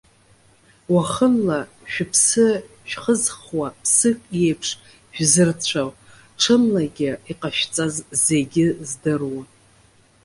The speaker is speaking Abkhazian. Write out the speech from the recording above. Уахынла шәыԥсы шәхызхуа, ԥсык иеиԥш шәзырцәо, ҽынлагьы иҟашәҵаз зегьы здыруа.